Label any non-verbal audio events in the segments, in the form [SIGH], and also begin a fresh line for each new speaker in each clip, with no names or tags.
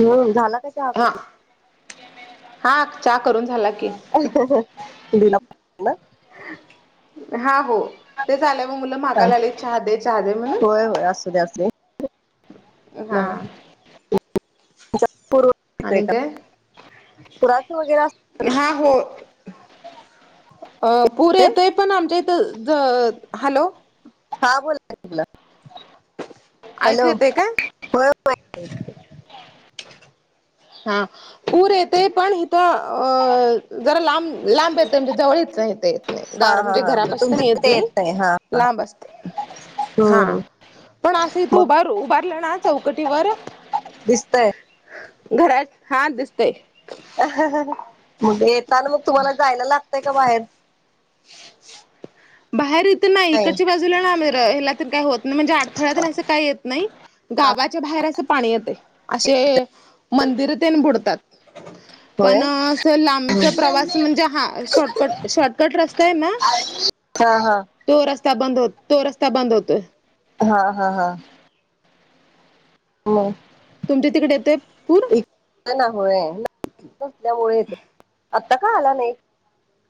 हो झाला का. चहा
हा
करून
हा चाहा करून झाला की.
दिला पूर्ण
हा हो तेच आलंय म मुलं
हा.
मागाला आले चहा दे चहा दे म्हणून.
होय होय असुदे असुदे.
हा.
पूर्व येतोय
आणि
का
काय
पुराचं वगैरे असं-
हा हो अ पूर येतय पण आमच्या इथं ज हॅलो.
हा बोला तुला
ऐकू
हॅलो
येतय काय
हो.
हा पूर येते पण इथ अ जरा लांब. लांब येत म्हणजे जवळच नाहीेत येत नाही
हा
दार
हा
म्हणजे
हा मग
घरापाशी नाही
तुमचं
येत
ते
नाही.
हा
लांब असते. हा
हम्म
पण असं इ तू
मग
उभार उभारलं ना चौकटीवर.
दिसतंय.
घरात हा दिसतय.
येताना मग तुम्हाला जायला लागतंय का बाहेर
बाहेर इथं नाही इकडची बा याला काही होत नाही म्हणजे अडथड्या असं काही येत नाही. गावाच्या बाहेर असं पाणी येते असे मंदिरतेन बुडतात
होय
पण अस
हम्म.
लांबचा प्रवास म्हणजे हा शॉर्टकट शॉर्टकट रस्ता
हा हा
तो रस्ता बंद हो तो रस्ता बंद होतोय
हा हा हा हो
तुमच्या तिकडे येते पूर
इकडे होय ना नसल्यामुळे येत आता का आला नाही.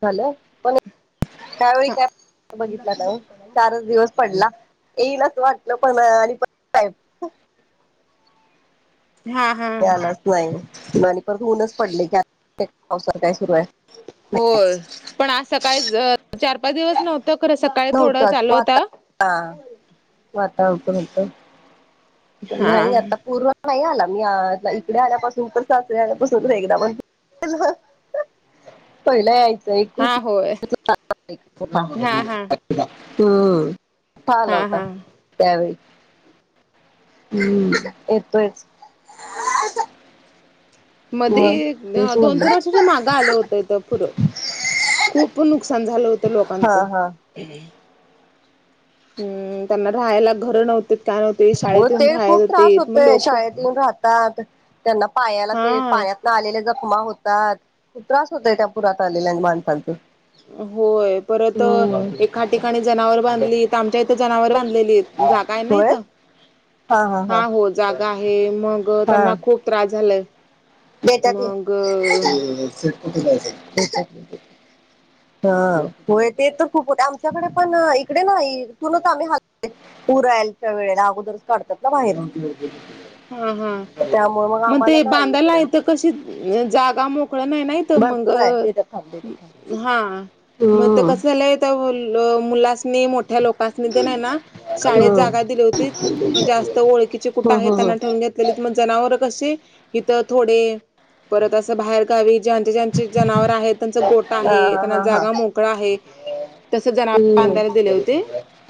झालं पण त्यावेळी
हा
काय बघितलं नाही चारच दिवस पडला येईलच वाटलं पण आणि पण
हा हा
लाच नाही परण ऊनच पडले की पावसा काय सुरू आहे
होय पण आज सकाळी चार पाच दिवस नव्हत
नव्हतच वाता हा वातावरण पण होतं
हा
नाही आता पूर्ण नाही आला मी इकडे आल्यापासून उतर सासरे आल्यापासून एकदा पण पहिला यायच
हा होय हा हा
हम्म मोठा आला
हा
होता
हा
त्यावेळी हम्म येतोयचं मग
मधी
तेच
दोन
म्हणलं
तीन वर्षाच्या मागं आलं होत इंथ पुरं खूप नुकसान झालं होतं लोकांचं
हा हा
हम्म.. त्यांना राहायला घरं नव्हते काय नव्हते
हो
शाळेत येऊन रायला होते मग लोक
गावाकड त्यांना पायाला ते
हा
पाया ना आलेल्या जखमा होतात खूप त्रास होतय त्या पुरात आलेल्या माणसांचं
होय परत एका ठिकाणी जनावर बांधली तर आमच्या इथे जनावर बांधलेली जागा आहे ना
होय
इथं हा हो जागा आहे मग त्यांना खूप त्रास झालाय
बेतात
मग
[UNINTELLIGIBLE] ह होय ते तर खूप आमच्याकडे पण इकडे ना इथूनच आम्ही हल पुरायलच्या वेळेला अगोदरच काढतात ना बाहेरून
हा हा मग ते बांधायला
इकडं
आहेथ कशी जागा मोकळ नाही ना मग
भरपूर आहे देतात थांब देतात थांब
हा मग
हम्म
कसं झालंय मुला मोठ्या लो तासणी ते नाही ना शाळेत जागा
हम्म
दिली होती जास्त ओळखचे कुठे आहेत
हम्म हम्म
ठेवून घेतली मग जनावर के हिथ थोडे परत असं बाहेर गावी ज्यांचे ज्यांचे जनावर आहेत त्यांचा गोट आहे
हा
त्यांना
हा हा हा
जागा मोग ड आहे तस जना अां [INAUDIBLE] धाने दिले
हम्म
होते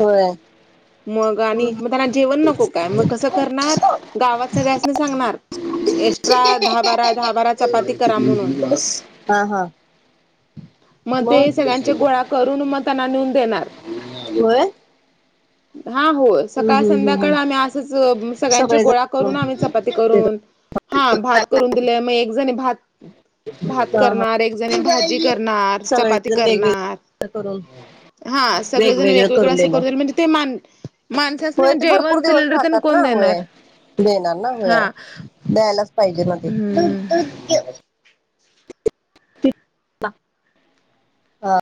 होय
मग आणि मग त्यांना जेवण नको काय मग कसं करणार गावात सगळ्यासनी सांगणार एक्सट्रा दहा बारा घाबारा चपाती करा म्हणून
हा हा
मग ते सगळ्यांचे गोळा करून मग त्यांना नेऊन देणार
होय
हा हो
हम्म
सकाळ
हम्म हम्म
संध्याकाळ आम्ही असंच सगळ्यांचे गोळा करून आम्ही चपाती
सगळेजण
करून हा भात करून दिले मग एक जणी भात भात
हा हा
करणार एक जणी भाजी करणार चपाती
सगळेजण
करणार
वेगवेगळे करून
हा सगळे जण वेगवेगळं
करून
असं
देणं.
करूनल म्हणजे ते मा माणसास
होय ते भरपूर
जेवण
दिवस
सिलेंडर
राहतात ना
कोण
होय.
देणार
देणार ना होय.
हा
द्यायलाच पाहिजे ना ते.
हम्म
ति. हा.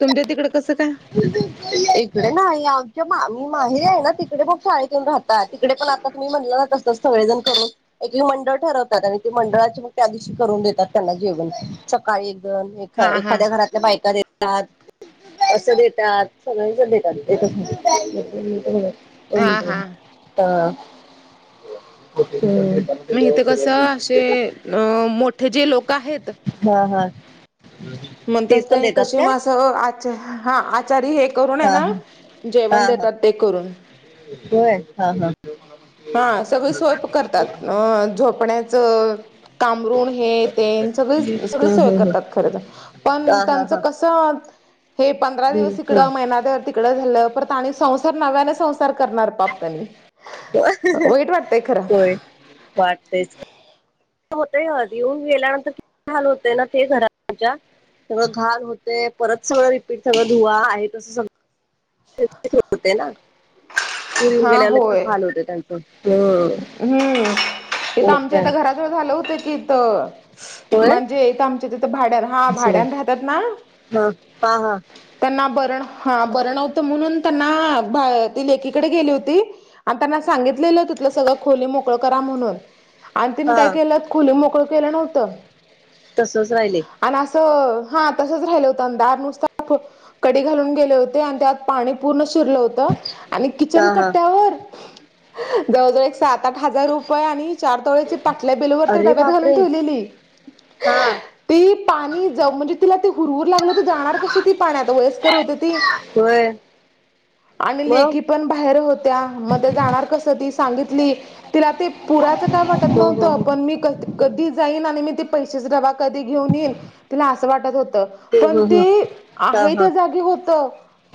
तुमच्या तिकड कसं काय?
ह [UNINTELLIGIBLE] इकडे नाही आमच्या मा मी माहेर आहे ना. तिकडे मग शाळेत येऊन राहता. तिकडे पण आता तुम्ही म्हणलं तसच, सगळेजण करून एक मंडळ ठरवतात. आणि ते मंडळाचे मग त्या दिवशी करून देतात. त्यांना जेवण. सकाळी एकद ए
हा हा
एखाद्या घरातल्या बायका देतात. असं देेतात. सगळे जण देतात. [UNINTELLIGIBLE] ह.
हा हा
हम्म.
म इथ कसं. असे अ मोठे जे लोक आहेत.
हा हा. ते
म्हणतच
पण देतात
कशी मा
काय?
असं. आ हा आचारी एक घरूने
हा
ना.
हा हा
जेवण
हा
देतात ते करून.
होय. हा हा.
हा सगळे सोयप करतात. अ झोपण्याचं पागरुण. हे तेन. सगळे सगळेच
ह
सोय
ह ह
करतात. खर त. पण
हा हा
त्यांच
हा
कस, हे पंधरा दिवस इकड. महिनाभर ती इकड झालं. परत आणि संसार नव्याने संसार करणार बाप तनी
होय वाटतेच. होतय. येऊन गेल्यानंतर कीती हाल होतय ना. ते घरच्या सगळं घाल होते. परत सगळं रिपीट सगळं धुवा. आहे तसं सगळ होते ना. पुर येउन
हा
गेल्यावर लइच
होय
हाल होत त्यांच.
हम्म. इथ आमच्या
काय
इथ घराजवळ झालं होतं की इथ.
होय
म्हणजे इथ आमच्या तिथं भाड्या, हा
सर
भाड्यान राहतात ना.
हा हा हा
त्यांना, बर. हा बरणवतं म्हणून त्यांना ती लेकीकडे गेली होती. आण त्यांना सांगितलेलं होत त्या सगळं खोली मोकळ करा म्हणून. आण तिने काय
हा
केलं. खोली मोकळ केलं नव्हतं.
तसच राहिले.
आण असं. हा तसंच राहिलं होतं. दार नुसत कडी घालून गेले होते. आण त्यात पाणी पूर्ण शिरलं होतं. आणि
हा
किचन
हा
कट्ट्यावर. जवळजवळ एक सात आठ हजार रुपये आणि चार तोळ्याची पाटल्या. बिलूवर ते
अरे
डब्यात घालून
बापरे
ठेवलेली.
हा
तीही पाणी जाउ म्हणजे तिला ते हुरवर लागली होती. जाणार कशी ती पाण्यात. वयस्कर होते ती.
होय.
आणि
मग
लेकी पण बाहेर होत्या. मग ते जाणार कस ती सांगितली. तिला ते पुराचं काय वाटत
हो हो
नव्हतं.
हो
पण मी क कधी जाईन आणि मी ते पैसेच डबा कधी घेऊन येईन. तिला असं वाटत होतं.
हो
पण
हो हो
ते.
हा
आहे
हा
त्या जागी होत.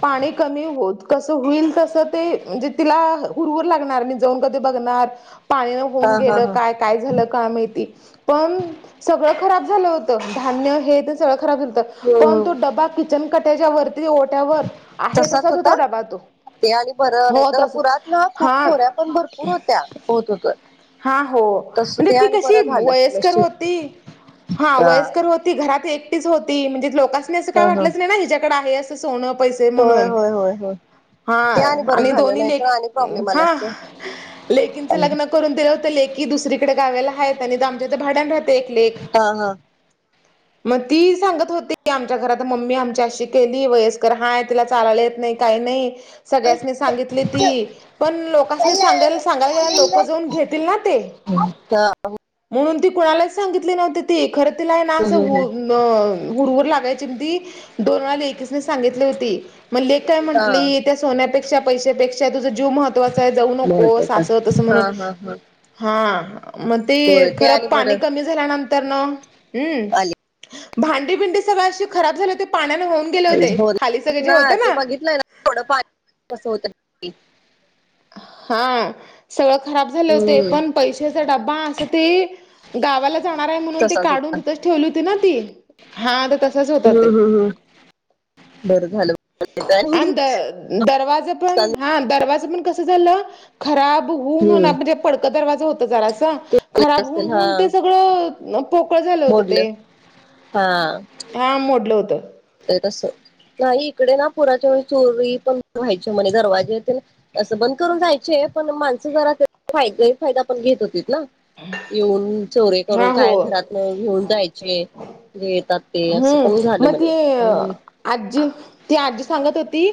पाणी कमी होत. कस होईल तस. ते म्हणजे तिला हुरहुर लागणार. जाऊन कधी बघणार. पाण्यान
हा
होऊन
हा
गेलं
हा
काय? काय झालं काय माहिती. पण, सगळं खराब झालं होतं. धान्य हे ते सगळं खराब झालंत. पण
हम्म
तो डबा. किचन कट्याच्या वरती ओठ्यावर. आहे तसाच होता डबा तो.
ते आणि बरं नाही
हो
तर
तसच.
पुरात ना खूप
हा.
चोऱ्या पण भरपूर होत्या होत होत
हा हो.
तस
म्हणजे
ते
ती
आणि बरं
कशी
झालं
वयस्कर
नशीब
होती. हा वयस्कर होती. घरात एकटीच होती. म्हणजे लोकांसनी असं
ह
काय
ह
वाटलंच नाही ना. हीच्याकड आहे अस. सोनं पैसे
होय
म्हणून.
होय होय होय
हा
ते बरं
आणि
झालं
दोन्ही
नाही
ले,
तर आणि प्रॉब्लेम आला
हा.
असत हा
लेकींचं लग्न करून दिलं होतं. लेकी दुसरीकडे गावेला हायेत आणि आमच्या इथ भाड्या राहत दलेख लेख
हा [UNINTELLIGIBLE]
मग ती सांगत होती आमच्या घरात मम्मी आमच्या अशी केली वयस्कर हाय तिला चालायला येत नाही. काय नाही सगळ्या सांगितली ती पण लोका
हा
सांगायला सांगायला लोक जाऊन घेतील ना ते
[INAUDIBLE]
म्हणून ती कुणालाच सांगितली नव्हती ती खरं तिला ना अस अ हुरहूरर लागायची म्हणी दोन वेळा लेकिसनी सांगितली होती. मग लेक काय म्हटली त्या सोन्यापेक्षा पैशपेक्षा तुझा जीव महत्वाचा आहे जाऊ कोस
महत्वाचा
असं तसं
हा
म्हणून
हा हा
हा मग ते
होय ते आणि
पानी
बरं
खर कमी झा नंतर
आले
भांडी भिंडी सगळ अशी खराब झाली पाण्यान हो गेले होते खाली सगळे जे होत ना
थोडंफार कसं होत.
हा सगळं खराब झाले होते
हम्म
पण पैशाचा डबा असं ते गावाला जाणार आहे म्हणून ते
तसाच
काढून
होता
तिथंच ठेवली होती ना ती हा तर तसाच होता ते
बर झालं आणि
दरवाजा पण हा दरवाजा पण कसं झालं खराब होऊनन
हम्म
म्हणजे पडकं दरवाजा होत जरास. खराब होऊन
असेल हा
होऊन ते सगळं पोकळ झालं होतं
मोडलं
ते
हा
हा मोडलं होतं.
तस नाही इकडे ना पुराच्या चोरी पण व्हायच्या म्हणे दरवाजे तेन तसं बंद करून जायचे आहे पण माणसं जरा गैर फादा फायदा पण घेत होती ना येऊन चोरे करून
हा
काय
हो
घरात न घेऊन जायचे येतात. ते असं पण
हम्म
झालं
मग‌
म्हणे
ते
हम्म
आजी ती आजी सांगत होती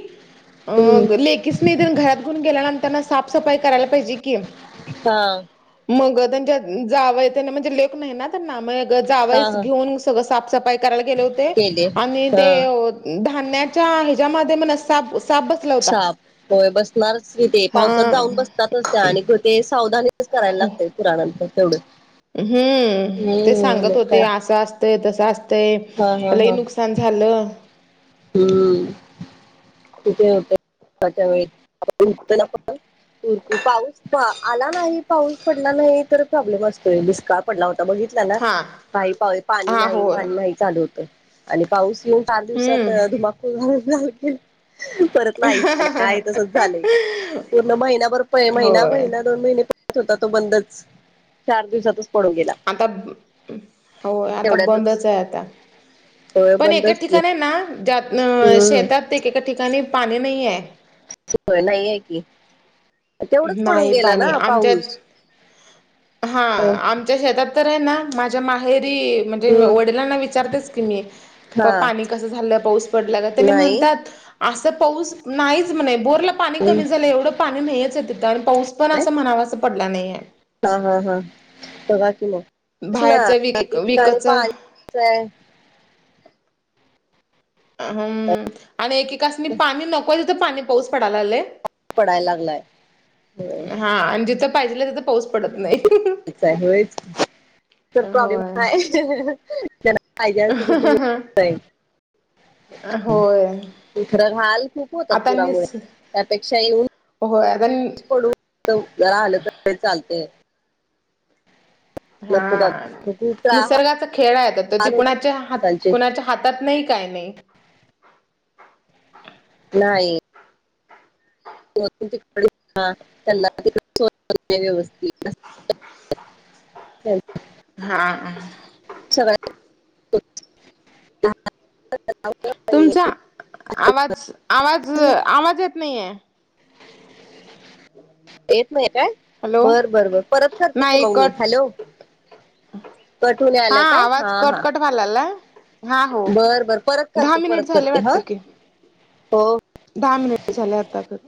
हम्म
लेकीसनी घरात घऊन गेल्यानंतर साफसफाई करायला पाहिजे की
हा
मग त्यांच्या जाव म्हणजे लेख नाही ना त्यांना म
हा
जावस
हा
घेऊन सगळ साफसफाई करायला गेले होते
केले
आणि ते
हा
धान्याच्या ह्याच्यामध्ये मण
साप होय बसणारच त तेे
हा
पावसात जाऊन बसतातच त्या आणि ते सावधानीच करायला लागत पुराणां तेवढं
हम्म ते
हम्म
सांगत
मग काय
होते असं असतंय तस असतय
हा हा
मलाही
हा
नुकसान झालं
हम्म तिथे होते व प रकू पाऊस आला नाही पाऊस पडला नाही तर प्रॉब्लेम असतोय बिस्का पडला होता बघितला ना
हा
काही पा पाणी
हा
नाही
होय
पाणी नाही चालू होत. आणि पाऊस येऊन चार दिवसात
हम्म
धुमाकूळ त नाही तसच झा पूर्ण महिनाभर महिना
होय
महि दोन महि होता तो बंदच चार दिवसातच पडत
आता होय आता
तेवढ्यातच
बंदच आहे आता
होय
पण एका
बंदच की
ठिकाणी ना ज्यात
हम्म
शेतात एकेका ठिकाणी पाणी नाही आहे.
होय नाहीये की तेवढंच पडून
नाही
गेला
पाणी
ना
आमच्यात
पाऊस
हा
अ
आम माच्या शेतात तर आहे ना माझ्या माहेरी म्हणजे
हम्म
वडिलांना विचारतेच की मी प
हा
पाणी कसं झालं पाऊस पडल्याला त्याने
नाही
म्हणतात असं पाऊस नाहीच म्हणे बोरला पाणी
हम्म
कमी झालं एवढं पाणी नाहीच आहे तिथं आणि पाऊस पण
काय
असं म्हणावास पडला नाहीेये.
हा हा हा बघा की मग तेच ना
बाहेरच
काही
विक
काही ठिकाणी
विकच
पाणी नाय.
हम्म आणि एक एक कास नि पाणी नकोय तिथं पाणी पाऊस पडाला लागलय.
पडाय लागलाय. होय,
हा आणि जिथं पाहिजे तिथं पाऊस पडत नाही.
होयच प्रॉब्लेम
होय
त्याला पाहिजे अस
होय
तिकड माल खूप होतात
आता
पुरामुळे
निस
त्यापेक्षा येऊन
होय आता
जर आलं तर चालतंय.
हा
नको बाबा खूप त्रा-
निसर्गाचा खेळ आहे तो
हाल होत
कुणाच्या हात
त्यांचे
कुणाच्या हातात नाही काय नाही.
नाही! त्यांना तिकड व्यवस्थित [UNINTELLIGIBLE]
हा हा!
सगळ्या
तुमचा आवाज आवाज आवाज येत नाहीये.
येत नाही काय
हॅलो
बर बरं बर परत करते की
नाही
मग मी
कट
हॅलो! कटहोऊन यालाय काय हा हा.
भालाला
बर बर परत करते
मिनिट
परत
झाले
करते हा
वाटतं की
हो.
दहा मिनिट झाले आता तर.